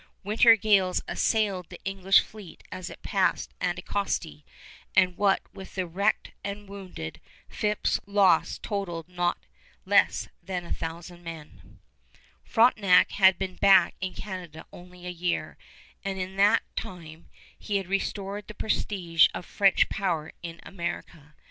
Winter gales assailed the English fleet as it passed Anticosti, and what with the wrecked and wounded, Phips' loss totaled not less than a thousand men. [Illustration: CASTLE ST. LOUIS, QUEBEC] Frontenac had been back in Canada only a year, and in that time he had restored the prestige of French power in America.